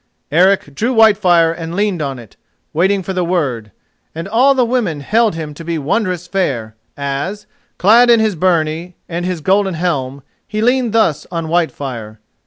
Eric drew Whitefire and leaned on it, waiting for the word, and all the women held him to be wondrous fair as, clad in his byrnie and his golden helm, he leaned thus on Whitefire.